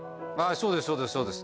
そうですそうですそうです